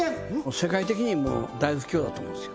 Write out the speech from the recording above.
世界的にもう大不況だと思うんですよ